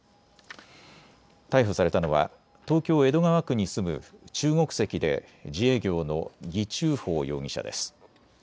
逮捕されたのは東京江戸川区に住む中国籍で自営業の魏忠宝容疑者です。